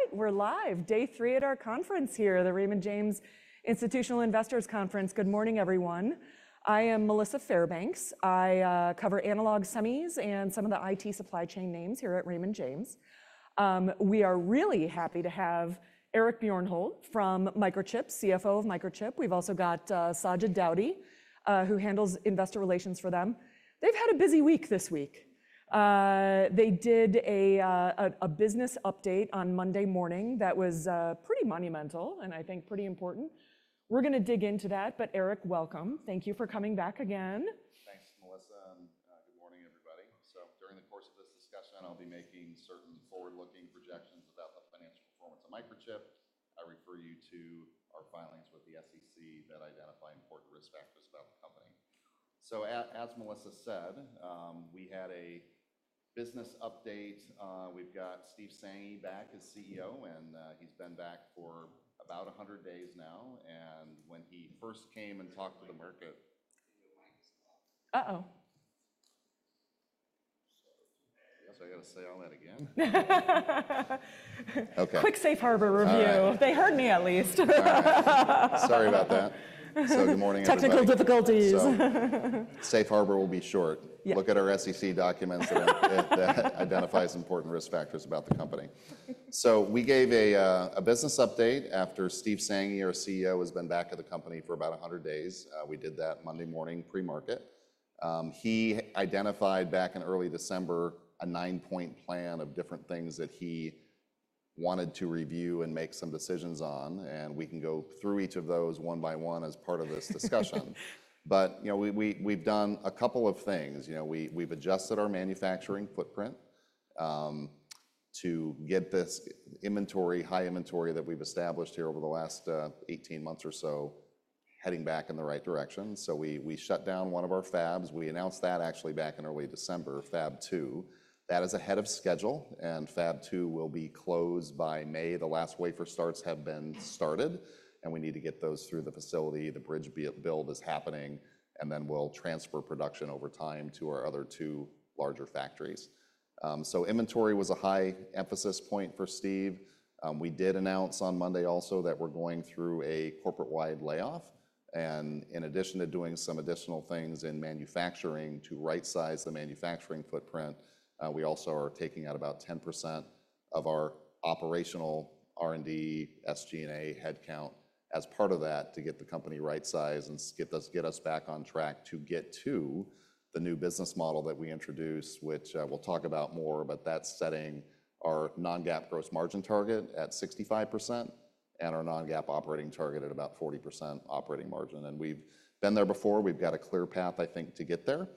All right, we're live, day three at our conference here, the Raymond James Institutional Investors Conference. Good morning, everyone. I am Melissa Fairbanks. I cover Analog Semis and some of the IT Supply Chain names here at Raymond James. We are really happy to have Eric Bjornholt from Microchip, CFO of Microchip. We've also got Sajid Daudi, who handles investor relations for them. They've had a busy week this week. They did a business update on Monday morning that was pretty monumental and I think pretty important. We're going to dig into that, but Eric, welcome. Thank you for coming back again. Thanks, Melissa, and good morning, everybody, so during the course of this discussion, I'll be making certain forward-looking projections about the financial performance of Microchip. I refer you to our filings with the SEC that identify important risk factors about the company, so as Melissa said, we had a business update. We've got Steve Sanghi back as CEO, and he's been back for about 100 days now, and when he first came and talked to the market. Uh-oh. So I got to say all that again. Okay. Quick Safe Harbor review. They heard me at least. Sorry about that. So good morning. Technical difficulties. Safe Harbor will be short. Look at our SEC documents that identify important risk factors about the company so we gave a business update after Steve Sanghi, our CEO, has been back at the company for about 100 days. We did that Monday morning pre-market. He identified back in early December a nine-point plan of different things that he wanted to review and make some decisions on, and we can go through each of those one by one as part of this discussion, but we've done a couple of things. We've adjusted our manufacturing footprint to get this inventory, high inventory that we've established here over the last 18 months or so, heading back in the right direction so we shut down one of our fabs. We announced that actually back in early December, Fab 2, that is ahead of schedule, and Fab 2 will be closed by May. The last wafer starts have been started, and we need to get those through the facility. The bridge build is happening, and then we'll transfer production over time to our other two larger factories, so inventory was a high emphasis point for Steve. We did announce on Monday also that we're going through a corporate-wide layoff, and in addition to doing some additional things in manufacturing to right-size the manufacturing footprint, we also are taking out about 10% of our operational R&D, SG&A headcount as part of that to get the company right-sized and get us back on track to get to the new business model that we introduced, which we'll talk about more, but that's setting our non-GAAP gross margin target at 65% and our non-GAAP operating target at about 40% operating margin, and we've been there before. We've got a clear path, I think, to get there.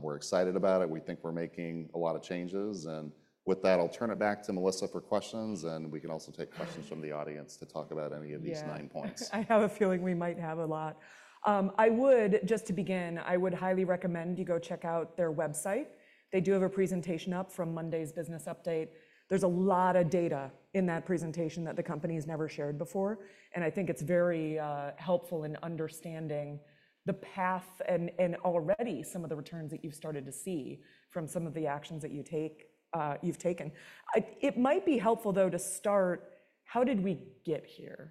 We're excited about it. We think we're making a lot of changes. And with that, I'll turn it back to Melissa for questions. And we can also take questions from the audience to talk about any of these nine points. I have a feeling we might have a lot. I would, just to begin, I would highly recommend you go check out their website. They do have a presentation up from Monday's business update. There's a lot of data in that presentation that the company has never shared before, and I think it's very helpful in understanding the path and already some of the returns that you've started to see from some of the actions that you've taken. It might be helpful, though, to start: how did we get here?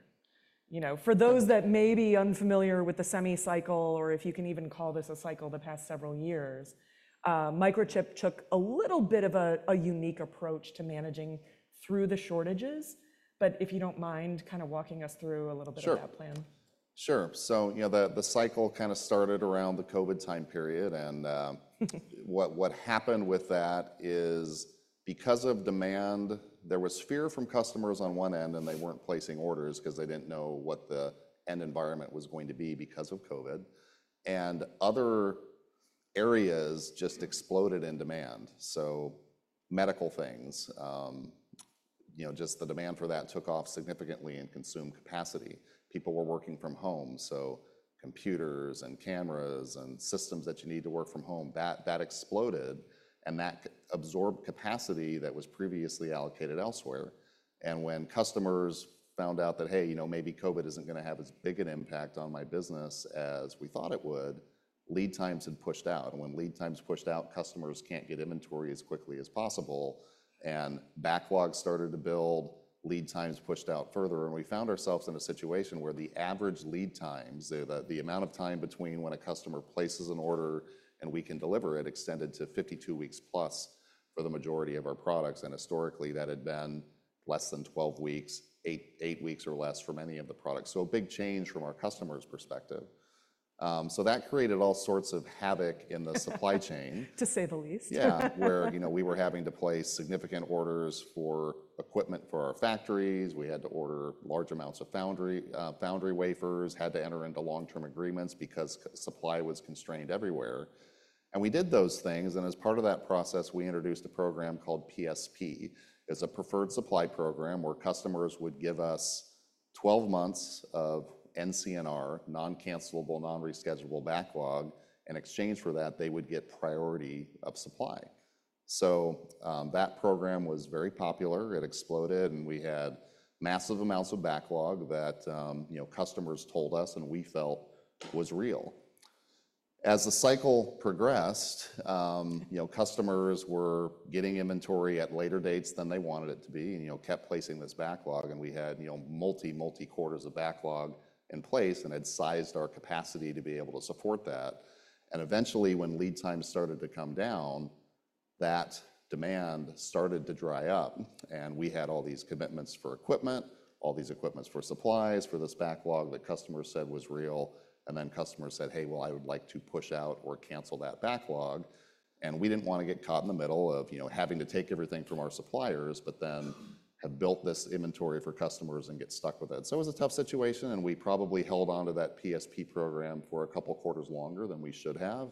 For those that may be unfamiliar with the semi cycle, or if you can even call this a cycle, the past several years, Microchip took a little bit of a unique approach to managing through the shortages, but if you don't mind kind of walking us through a little bit of that plan. Sure. So the cycle kind of started around the COVID time period. And what happened with that is because of demand, there was fear from customers on one end, and they weren't placing orders because they didn't know what the end environment was going to be because of COVID. And other areas just exploded in demand. So medical things, just the demand for that took off significantly and consumed capacity. People were working from home. So computers and cameras and systems that you need to work from home, that exploded and that absorbed capacity that was previously allocated elsewhere. And when customers found out that, hey, maybe COVID isn't going to have as big an impact on my business as we thought it would, lead times had pushed out. And when lead times pushed out, customers can't get inventory as quickly as possible. And backlog started to build, lead times pushed out further. And we found ourselves in a situation where the average lead times, the amount of time between when a customer places an order and we can deliver it, extended to 52 weeks+ for the majority of our products. And historically, that had been less than 12 weeks, eight weeks or less for many of the products. So a big change from our customer's perspective. So that created all sorts of havoc in the supply chain. To say the least. Yeah, where we were having to place significant orders for equipment for our factories. We had to order large amounts of foundry wafers, had to enter into long-term agreements because supply was constrained everywhere, and we did those things, and as part of that process, we introduced a program called PSP. It's a Preferred Supply Program where customers would give us 12 months of NCNR, Non-Cancelable, Con-Reschedulable backlog. In exchange for that, they would get priority of supply, so that program was very popular. It exploded, and we had massive amounts of backlog that customers told us and we felt was real. As the cycle progressed, customers were getting inventory at later dates than they wanted it to be and kept placing this backlog, and we had multi, multi-quarters of backlog in place and had sized our capacity to be able to support that. And eventually, when lead times started to come down, that demand started to dry up. And we had all these commitments for equipment, all these equipments for supplies for this backlog that customers said was real. And then customers said, hey, well, I would like to push out or cancel that backlog. And we didn't want to get caught in the middle of having to take everything from our suppliers, but then have built this inventory for customers and get stuck with it. So it was a tough situation. And we probably held on to that PSP program for a couple of quarters longer than we should have.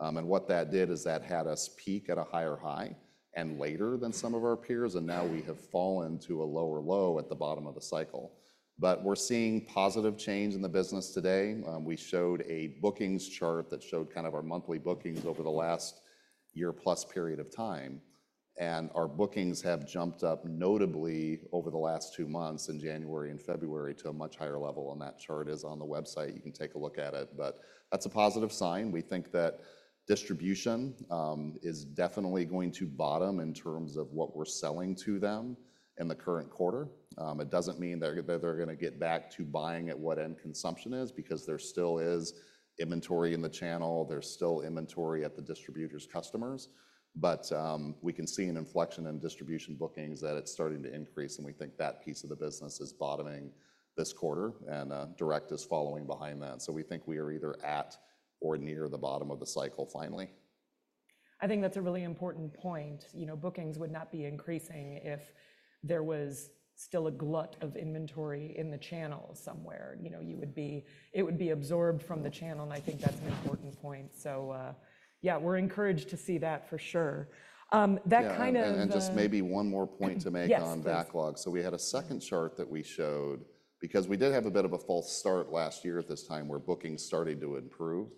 And what that did is that had us peak at a higher high and later than some of our peers. And now we have fallen to a lower low at the bottom of the cycle. But we're seeing positive change in the business today. We showed a bookings chart that showed kind of our monthly bookings over the last year-plus period of time. And our bookings have jumped up notably over the last two months in January and February to a much higher level. And that chart is on the website. You can take a look at it. But that's a positive sign. We think that distribution is definitely going to bottom in terms of what we're selling to them in the current quarter. It doesn't mean that they're going to get back to buying at what end consumption is because there still is inventory in the channel. There's still inventory at the distributor's customers. But we can see an inflection in distribution bookings that it's starting to increase. And we think that piece of the business is bottoming this quarter. Direct is following behind that. We think we are either at or near the bottom of the cycle finally. I think that's a really important point. Bookings would not be increasing if there was still a glut of inventory in the channel somewhere. It would be absorbed from the channel. And I think that's an important point. So yeah, we're encouraged to see that for sure. That kind of. And just maybe one more point to make on backlog. So we had a second chart that we showed because we did have a bit of a false start last year at this time where bookings started to improve,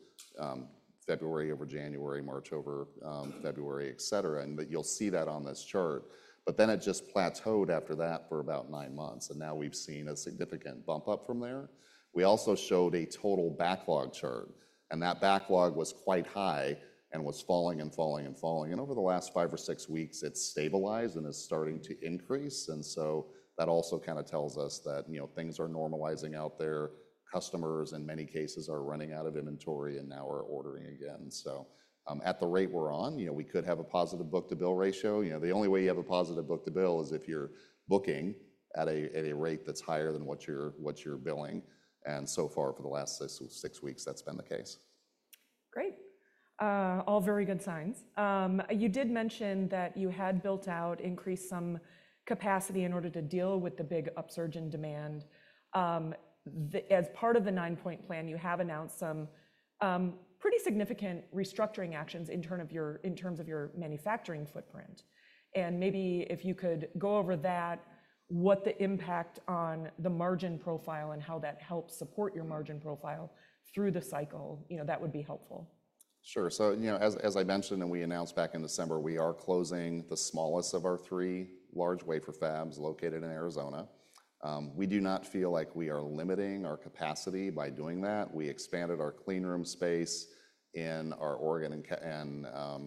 February over January, March over February, et cetera. But you'll see that on this chart. But then it just plateaued after that for about nine months. And now we've seen a significant bump up from there. We also showed a total backlog chart. And that backlog was quite high and was falling and falling and falling. And over the last five or six weeks, it's stabilized and is starting to increase. And so that also kind of tells us that things are normalizing out there. Customers, in many cases, are running out of inventory and now are ordering again. So at the rate we're on, we could have a positive Book-to-Bill ratio. The only way you have a positive Book-to-Bill is if you're booking at a rate that's higher than what you're billing. And so far for the last six weeks, that's been the case. Great. All very good signs. You did mention that you had built out, increased some capacity in order to deal with the big upsurge in demand. As part of the nine-point plan, you have announced some pretty significant restructuring actions in terms of your manufacturing footprint, and maybe if you could go over that, what the impact on the margin profile and how that helps support your margin profile through the cycle, that would be helpful. Sure. So as I mentioned and we announced back in December, we are closing the smallest of our three large wafer fabs located in Arizona. We do not feel like we are limiting our capacity by doing that. We expanded our cleanroom space in our Oregon and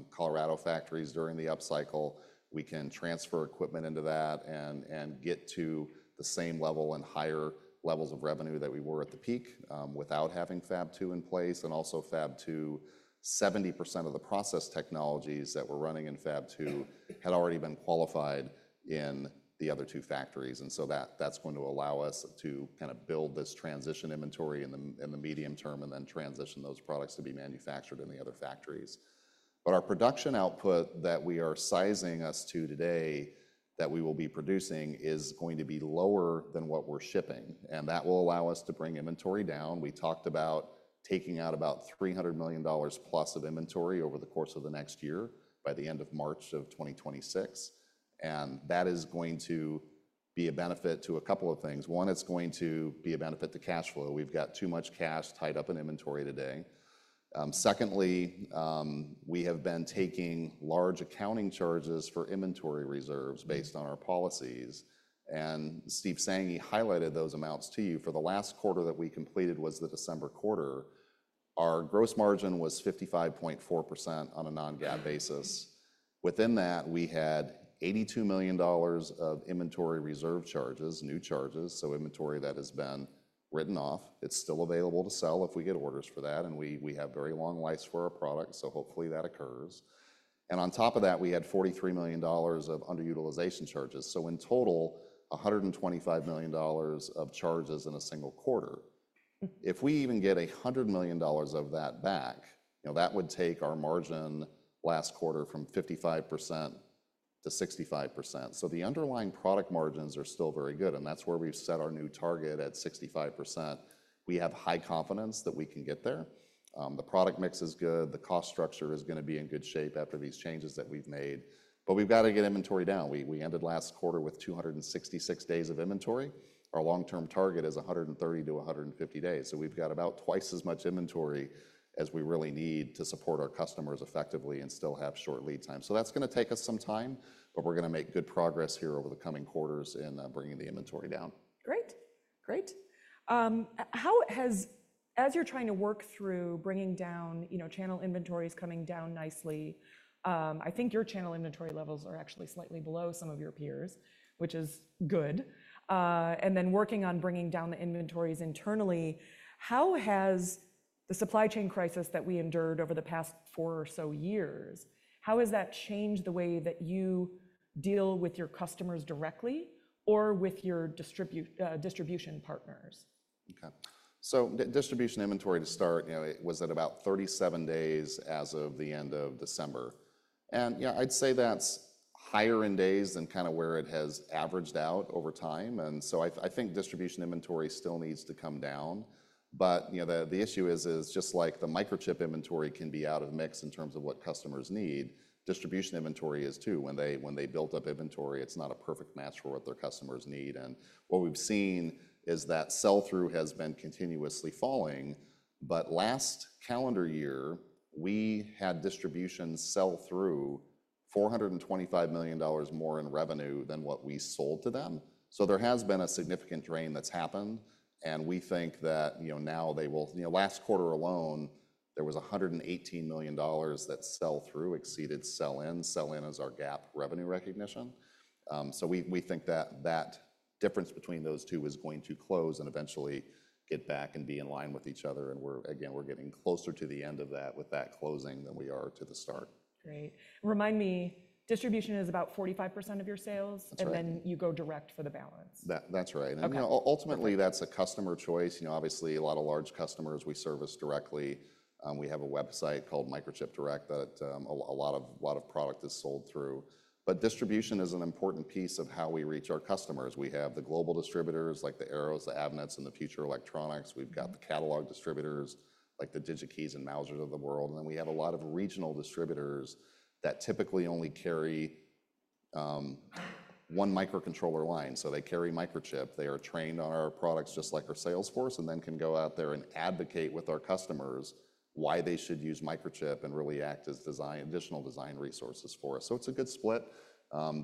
Colorado factories during the upcycle. We can transfer equipment into that and get to the same level and higher levels of revenue that we were at the peak without having Fab 2 in place. And also, Fab 2, 70% of the process technologies that were running in Fab 2 had already been qualified in the other two factories. And so that's going to allow us to kind of build this transition inventory in the medium term and then transition those products to be manufactured in the other factories. But our production output that we are sizing us to today that we will be producing is going to be lower than what we're shipping, and that will allow us to bring inventory down. We talked about taking out about $300 million+ of inventory over the course of the next year by the end of March of 2026, and that is going to be a benefit to a couple of things. One, it's going to be a benefit to cash flow. We've got too much cash tied up in inventory today. Secondly, we have been taking large accounting charges for inventory reserves based on our policies, and Steve Sanghi highlighted those amounts to you. For the last quarter that we completed was the December quarter, our gross margin was 55.4% on a non-GAAP basis. Within that, we had $82 million of inventory reserve charges, new charges. Inventory that has been written off. It's still available to sell if we get orders for that. And we have very long lifespan for our products. So hopefully that occurs. And on top of that, we had $43 million of underutilization charges. So in total, $125 million of charges in a single quarter. If we even get $100 million of that back, that would take our margin last quarter from 55% ot 65%. So the underlying product margins are still very good. And that's where we set our new target at 65%. We have high confidence that we can get there. The product mix is good. The cost structure is going to be in good shape after these changes that we've made. But we've got to get inventory down. We ended last quarter with 266 days of inventory. Our long-term target is 130-150 days. So we've got about twice as much inventory as we really need to support our customers effectively and still have short lead time. So that's going to take us some time. But we're going to make good progress here over the coming quarters in bringing the inventory down. Great. Great. As you're trying to work through bringing down channel inventories coming down nicely, I think your channel inventory levels are actually slightly below some of your peers, which is good, and then working on bringing down the inventories internally, how has the supply chain crisis that we endured over the past four or so years, how has that changed the way that you deal with your customers directly or with your distribution partners? Okay. So distribution inventory to start was at about 37 days as of the end of December. And I'd say that's higher in days than kind of where it has averaged out over time. And so I think distribution inventory still needs to come down. But the issue is just like the Microchip inventory can be out of mix in terms of what customers need. Distribution inventory is too. When they built up inventory, it's not a perfect match for what their customers need. And what we've seen is that sell-through has been continuously falling. But last calendar year, we had distribution sell-through $425 million more in revenue than what we sold to them. So there has been a significant drain that's happened. And we think that now they will last quarter alone, there was $118 million that sell-through exceeded sell-in. Sell-in is our GAAP revenue recognition. So we think that that difference between those two is going to close and eventually get back and be in line with each other. And again, we're getting closer to the end of that with that closing than we are to the start. Great. Remind me, distribution is about 45% of your sales. That's right. And then you go direct for the balance. That's right. And ultimately, that's a customer choice. Obviously, a lot of large customers we service directly. We have a website called Microchip Direct that a lot of product is sold through. But distribution is an important piece of how we reach our customers. We have the global distributors like the Arrow, the Avnet, and the Future Electronics. We've got the catalog distributors like the DigiKey and Mouser of the world. And then we have a lot of regional distributors that typically only carry one microcontroller line. So they carry Microchip. They are trained on our products just like our sales force and then can go out there and advocate with our customers why they should use Microchip and really act as additional design resources for us. So it's a good split.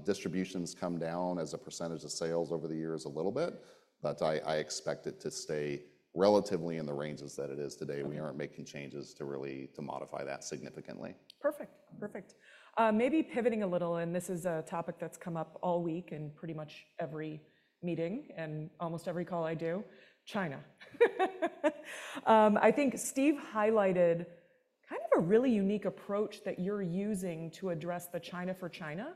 Distributions come down as a percentage of sales over the years a little bit. But I expect it to stay relatively in the ranges that it is today. We aren't making changes to really modify that significantly. Perfect. Perfect. Maybe pivoting a little, and this is a topic that's come up all week and pretty much every meeting and almost every call I do, China. I think Steve highlighted kind of a really unique approach that you're using to address the China for China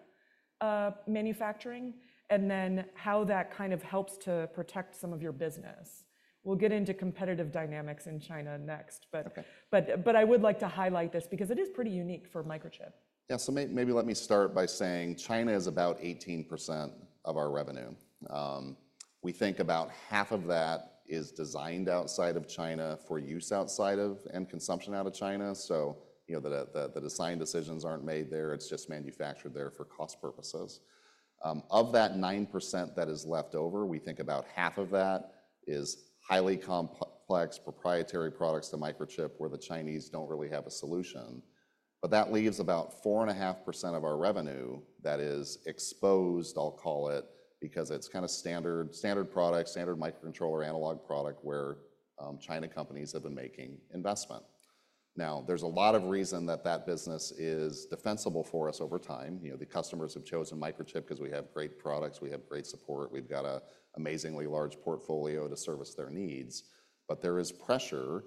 manufacturing and then how that kind of helps to protect some of your business. We'll get into competitive dynamics in China next. But I would like to highlight this because it is pretty unique for Microchip. Yeah. So maybe let me start by saying China is about 18% of our revenue. We think about half of that is designed outside of China for use outside of and consumption out of China. So the design decisions aren't made there. It's just manufactured there for cost purposes. Of that 9% that is left over, we think about half of that is highly complex proprietary products to Microchip where the Chinese don't really have a solution. But that leaves about 4.5% of our revenue that is exposed, I'll call it, because it's kind of standard product, standard microcontroller analog product where Chinese companies have been making investment. Now, there's a lot of reason that that business is defensible for us over time. The customers have chosen Microchip because we have great products. We have great support. We've got an amazingly large portfolio to service their needs. But there is pressure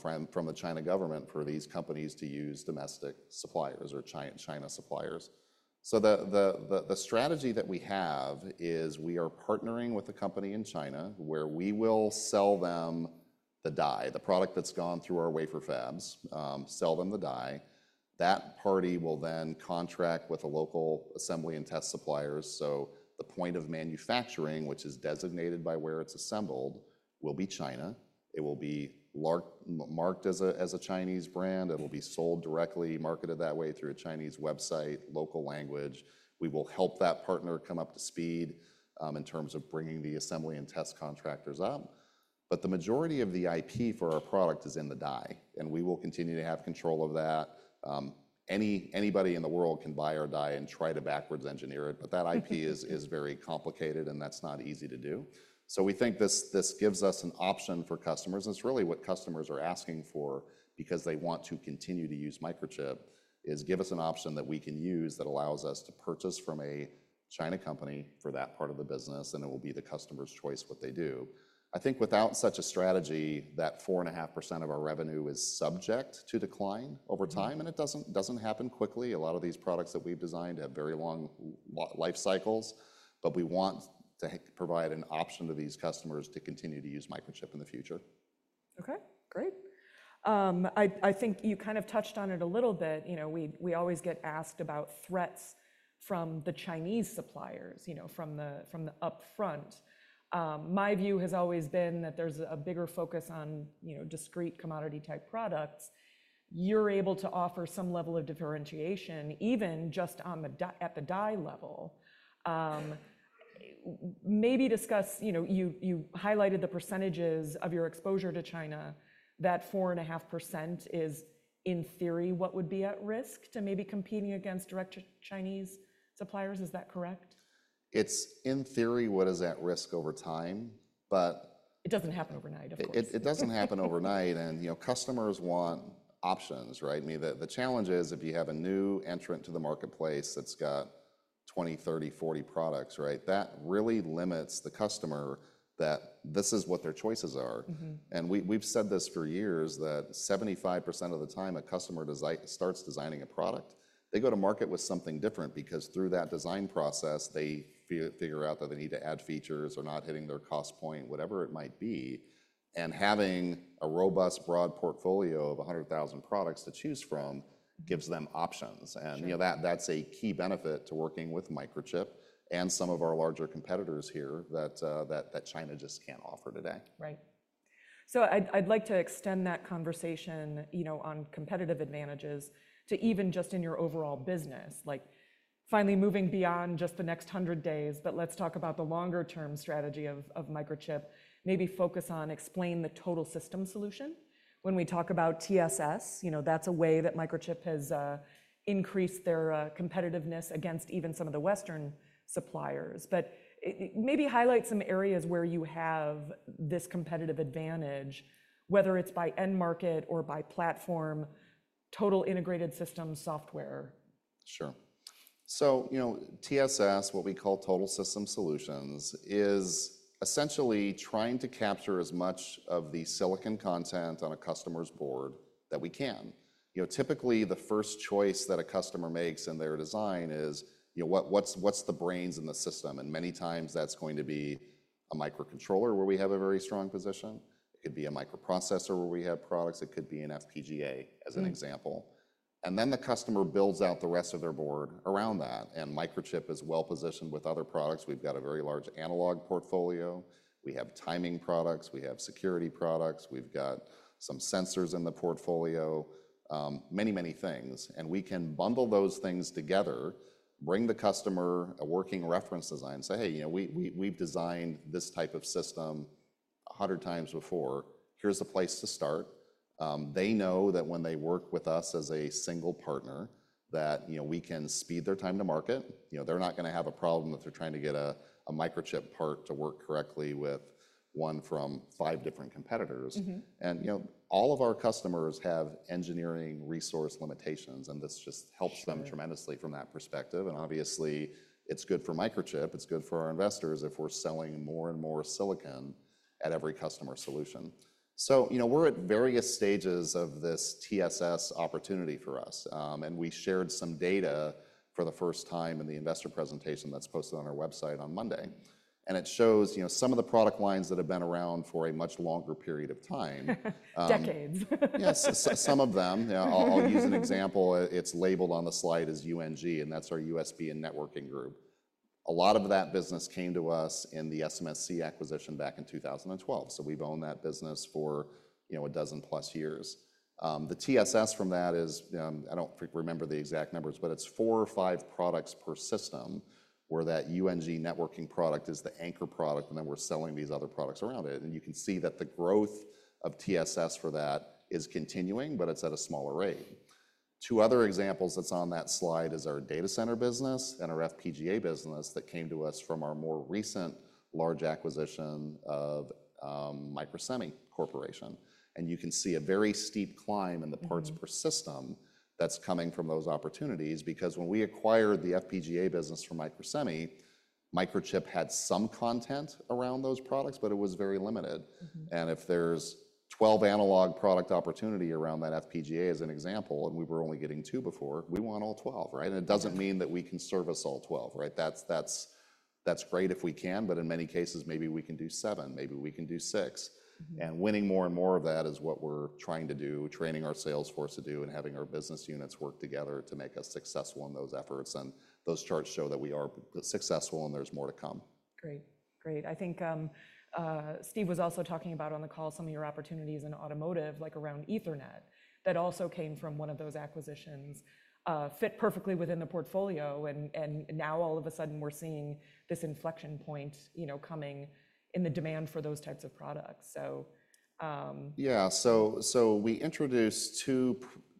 from the Chinese government for these companies to use domestic suppliers or China suppliers. So the strategy that we have is we are partnering with a company in China where we will sell them the die, the product that's gone through our wafer fabs, sell them the die. That party will then contract with a local assembly and test suppliers. So the point of manufacturing, which is designated by where it's assembled, will be China. It will be marked as a Chinese brand. It will be sold directly, marketed that way through a Chinese website, local language. We will help that partner come up to speed in terms of bringing the assembly and test contractors up. But the majority of the IP for our product is in the die. And we will continue to have control of that. Anybody in the world can buy our die and try to reverse engineer it. But that IP is very complicated and that's not easy to do. So we think this gives us an option for customers. And it's really what customers are asking for because they want to continue to use Microchip is give us an option that we can use that allows us to purchase from a Chinese company for that part of the business. And it will be the customer's choice what they do. I think without such a strategy, that 4.5% of our revenue is subject to decline over time. And it doesn't happen quickly. A lot of these products that we've designed have very long life cycles. But we want to provide an option to these customers to continue to use Microchip in the future. Okay. Great. I think you kind of touched on it a little bit. We always get asked about threats from the Chinese suppliers from the upfront. My view has always been that there's a bigger focus on discrete commodity-type products. You're able to offer some level of differentiation even just at the die level. Maybe discuss. You highlighted the percentages of your exposure to China. That 4.5% is in theory what would be at risk to maybe competing against direct Chinese suppliers. Is that correct? It's in theory what is at risk over time. But. It doesn't happen overnight, of course. It doesn't happen overnight. And customers want options, right? I mean, the challenge is if you have a new entrant to the marketplace that's got 20, 30, 40 products, right? That really limits the customer that this is what their choices are. And we've said this for years that 75% of the time a customer starts designing a product, they go to market with something different because through that design process, they figure out that they need to add features or not hitting their cost point, whatever it might be. And having a robust broad portfolio of 100,000 products to choose from gives them options. And that's a key benefit to working with Microchip and some of our larger competitors here that China just can't offer today. Right. So I'd like to extend that conversation on competitive advantages to even just in your overall business. Finally, moving beyond just the next 100 days, but let's talk about the longer-term strategy of Microchip. Maybe focus on explain the Total System Solution. When we talk about TSS, that's a way that Microchip has increased their competitiveness against even some of the Western suppliers. But maybe highlight some areas where you have this competitive advantage, whether it's by end market or by platform, total integrated system software. Sure. So TSS, what we call Total System Solutions, is essentially trying to capture as much of the silicon content on a customer's board that we can. Typically, the first choice that a customer makes in their design is what's the brains in the system? And many times that's going to be a microcontroller where we have a very strong position. It could be a microprocessor where we have products. It could be an FPGA as an example. And then the customer builds out the rest of their board around that. And Microchip is well positioned with other products. We've got a very large analog portfolio. We have timing products. We have security products. We've got some sensors in the portfolio, many, many things. And we can bundle those things together, bring the customer a working reference design, say, "Hey, we've designed this type of system 100 times before. Here's a place to start." They know that when they work with us as a single partner, that we can speed their time to market. They're not going to have a problem if they're trying to get a Microchip part to work correctly with one from five different competitors. And all of our customers have engineering resource limitations. And this just helps them tremendously from that perspective. And obviously, it's good for Microchip. It's good for our investors if we're selling more and more silicon at every customer solution. So we're at various stages of this TSS opportunity for us. And we shared some data for the first time in the investor presentation that's posted on our website on Monday. And it shows some of the product lines that have been around for a much longer period of time. Decades. Yes, some of them. I'll use an example. It's labeled on the slide as UNG, and that's our USB and Networking Group. A lot of that business came to us in the SMSC acquisition back in 2012, so we've owned that business for a dozen plus years. The TSS from that is, I don't remember the exact numbers, but it's four or five products per system where that UNG networking product is the anchor product, and then we're selling these other products around it, and you can see that the growth of TSS for that is continuing, but it's at a smaller rate. Two other examples that's on that slide is our data center business and our FPGA business that came to us from our more recent large acquisition of Microsemi Corporation. You can see a very steep climb in the parts per system that's coming from those opportunities because when we acquired the FPGA business from Microsemi, Microchip had some content around those products, but it was very limited. If there's 12 analog product opportunity around that FPGA as an example, and we were only getting two before, we want all 12, right? It doesn't mean that we can service all 12, right? That's great if we can, but in many cases, maybe we can do seven. Maybe we can do six. Winning more and more of that is what we're trying to do, training our sales force to do and having our business units work together to make us successful in those efforts. Those charts show that we are successful and there's more to come. Great. Great. I think Steve was also talking about, on the call, some of your opportunities in automotive like around Ethernet that also came from one of those acquisitions fit perfectly within the portfolio. And now all of a sudden, we're seeing this inflection point coming in the demand for those types of products. So. Yeah. So we introduced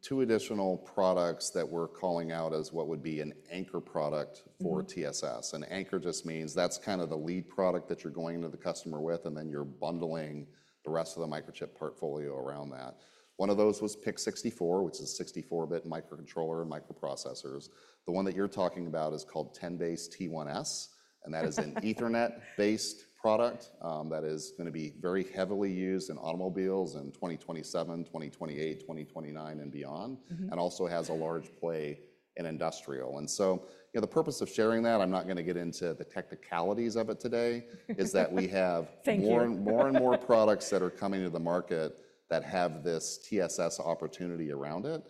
two additional products that we're calling out as what would be an anchor product for TSS, and anchor just means that's kind of the lead product that you're going into the customer with, and then you're bundling the rest of the Microchip portfolio around that. One of those was PIC64, which is a 64-bit microcontroller and microprocessors. The one that you're talking about is called 10BASE-T1S. And that is an Ethernet-based product that is going to be very heavily used in automobiles in 2027, 2028, 2029, and beyond, and also has a large play in industrial. And so the purpose of sharing that, I'm not going to get into the technicalities of it today, is that we have more and more products that are coming to the market that have this TSS opportunity around it.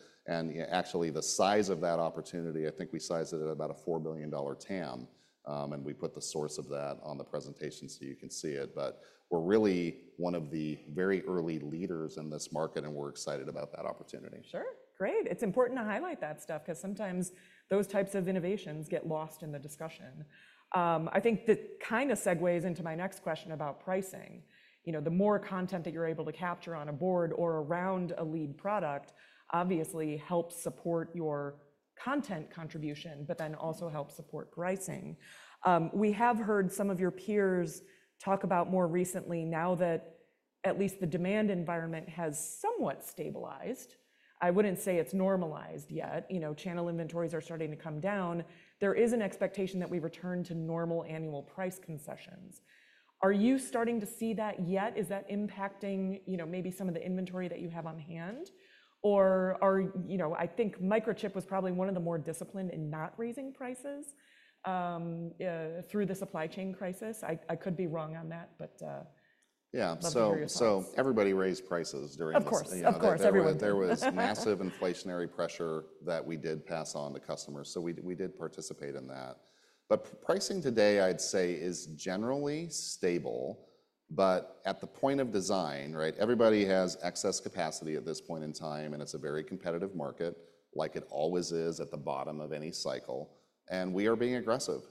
Actually, the size of that opportunity, I think we sized it at about a $4 billion TAM. We put the source of that on the presentation so you can see it. But we're really one of the very early leaders in this market, and we're excited about that opportunity. Sure. Great. It's important to highlight that stuff because sometimes those types of innovations get lost in the discussion. I think that kind of segues into my next question about pricing. The more content that you're able to capture on a board or around a lead product obviously helps support your content contribution, but then also helps support pricing. We have heard some of your peers talk about more recently now that at least the demand environment has somewhat stabilized. I wouldn't say it's normalized yet. Channel inventories are starting to come down. There is an expectation that we return to normal annual price concessions. Are you starting to see that yet? Is that impacting maybe some of the inventory that you have on hand? Or I think Microchip was probably one of the more disciplined in not raising prices through the supply chain crisis. I could be wrong on that, but. Yeah, so everybody raised prices during this. Of course. Of course, everyone. There was massive inflationary pressure that we did pass on to customers. So we did participate in that. But pricing today, I'd say, is generally stable. But at the point of design, right, everybody has excess capacity at this point in time. And it's a very competitive market, like it always is at the bottom of any cycle. And we are being aggressive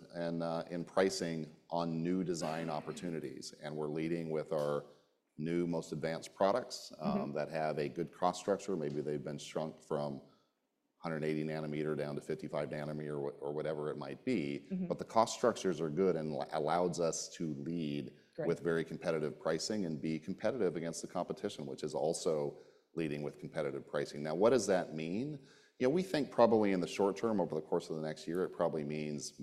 in pricing on new design opportunities. And we're leading with our new most advanced products that have a good cost structure. Maybe they've been shrunk from 180 nanometer down to 55 nanometer or whatever it might be. But the cost structures are good and allow us to lead with very competitive pricing and be competitive against the competition, which is also leading with competitive pricing. Now, what does that mean? We think probably in the short term, over the course of the next year, it probably means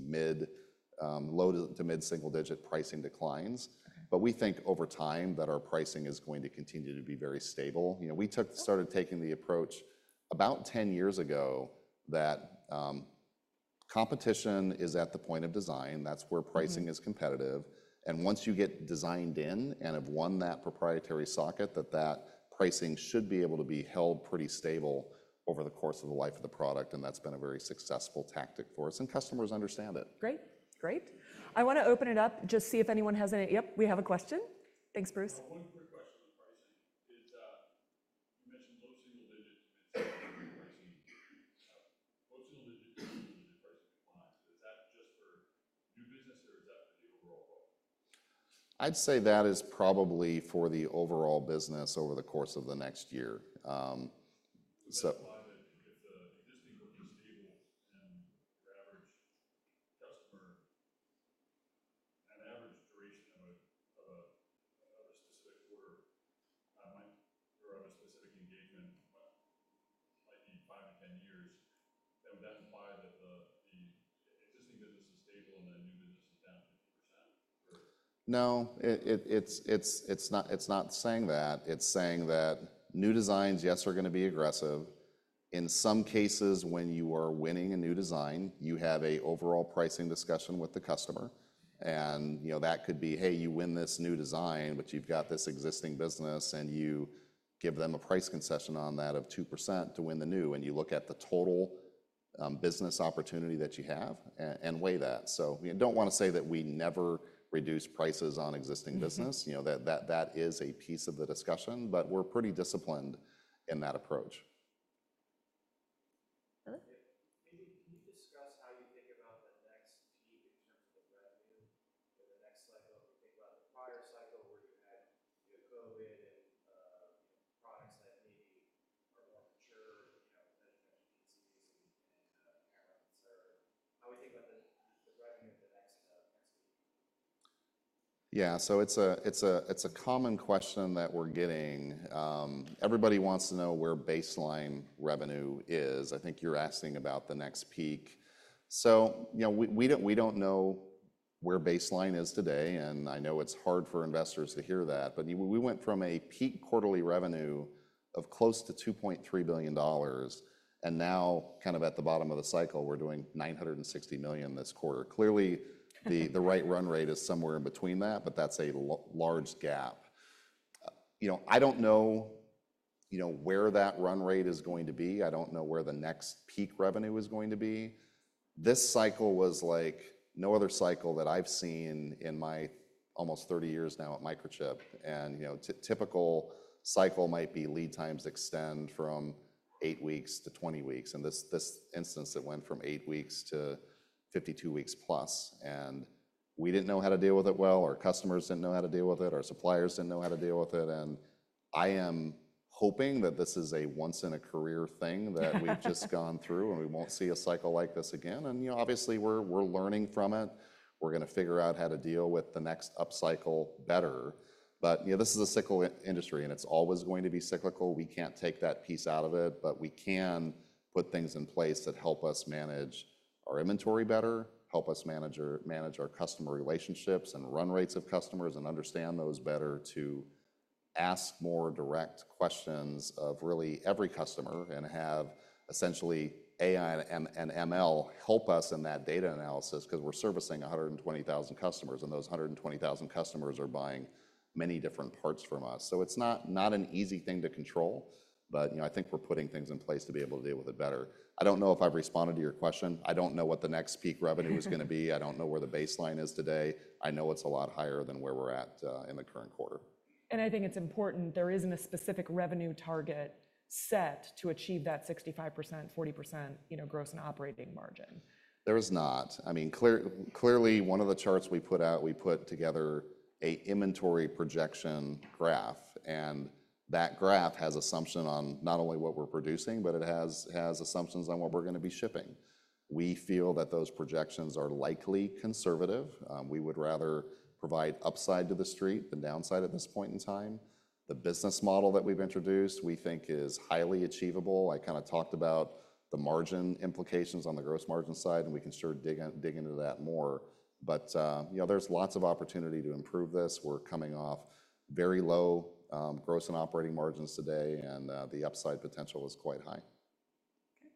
low to mid-single-digit pricing declines. But we think over time that our pricing is going to continue to be very stable. We started taking the approach about 10 years ago that competition is at the point of design. That's where pricing is competitive. Once you get designed in and have won that proprietary socket, that pricing should be able to be held pretty stable over the course of the life of the product. That's been a very successful tactic for us. Customers understand it. Great. Great. I want to open it up, just see if anyone has any. Yep, we have a question. Thanks, Bruce. One quick question on pricing. You mentioned low single-digit pricing. Low single-digit to single-digit pricing declines. Is that just for new business, or is that for the overall growth? I'd say that is probably for the overall business over the course of the next year. If the existing growth is stable and your average customer, an average duration of a specific order or of a specific engagement, might be five to 10 years, then would that imply that the existing business is stable and that new business is down 50%? No. It's not saying that. It's saying that new designs, yes, are going to be aggressive. In some cases, when you are winning a new design, you have an overall pricing discussion with the customer. And that could be, "Hey, you win this new design, but you've got this existing business, and you give them a price concession on that of 2% to win the new." And you look at the total business opportunity that you have and weigh that. So I don't want to say that we never reduce prices on existing business. That is a piece of the discussion. But we're pretty disciplined in that approach. Maybe can you discuss how you think about the next peak in terms of the revenue or the next cycle? If you think about the prior cycle where you had COVID and products that maybe are more mature with benefits and patents, et cetera, how do we think about the revenue of the next peak? Yeah. So it's a common question that we're getting. Everybody wants to know where baseline revenue is. I think you're asking about the next peak. So we don't know where baseline is today. And I know it's hard for investors to hear that. But we went from a peak quarterly revenue of close to $2.3 billion. And now kind of at the bottom of the cycle, we're doing $960 million this quarter. Clearly, the right run rate is somewhere in between that, but that's a large gap. I don't know where that run rate is going to be. I don't know where the next peak revenue is going to be. This cycle was like no other cycle that I've seen in my almost 30 years now at Microchip. And a typical cycle might be, lead times extend from 8 weeks to 20 weeks. And this instance, it went from eight weeks to 52 weeks+. And we didn't know how to deal with it well. Our customers didn't know how to deal with it. Our suppliers didn't know how to deal with it. And I am hoping that this is a once-in-a-career thing that we've just gone through and we won't see a cycle like this again. And obviously, we're learning from it. We're going to figure out how to deal with the next upcycle better. But this is a cyclical industry, and it's always going to be cyclical. We can't take that piece out of it, but we can put things in place that help us manage our inventory better, help us manage our customer relationships and run rates of customers, and understand those better to ask more direct questions of really every customer and have essentially AI and ML help us in that data analysis because we're servicing 120,000 customers. And those 120,000 customers are buying many different parts from us. So it's not an easy thing to control, but I think we're putting things in place to be able to deal with it better. I don't know if I've responded to your question. I don't know what the next peak revenue is going to be. I don't know where the baseline is today. I know it's a lot higher than where we're at in the current quarter. I think it's important there isn't a specific revenue target set to achieve that 65%, 40% gross and operating margin. There is not. I mean, clearly, one of the charts we put out, we put together an inventory projection graph. And that graph has assumption on not only what we're producing, but it has assumptions on what we're going to be shipping. We feel that those projections are likely conservative. We would rather provide upside to the street than downside at this point in time. The business model that we've introduced, we think, is highly achievable. I kind of talked about the margin implications on the gross margin side, and we can start digging into that more. But there's lots of opportunity to improve this. We're coming off very low gross and operating margins today, and the upside potential is quite high. Okay.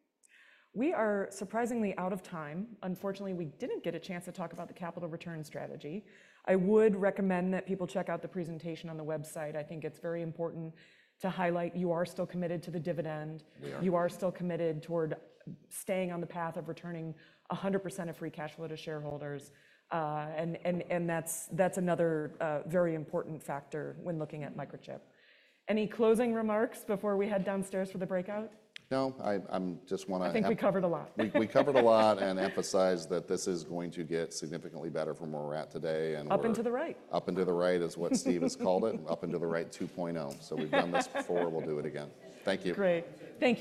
We are surprisingly out of time. Unfortunately, we didn't get a chance to talk about the capital return strategy. I would recommend that people check out the presentation on the website. I think it's very important to highlight you are still committed to the dividend. We are. You are still committed toward staying on the path of returning 100% of free cash flow to shareholders. And that's another very important factor when looking at Microchip. Any closing remarks before we head downstairs for the breakout? No. I just want to. I think we covered a lot. We covered a lot and emphasized that this is going to get significantly better from where we're at today. Up and to the right. Up and to the right is what Steve has called it, Up and to the Right 2.0. So we've done this before. We'll do it again. Thank you. Great. Thank you.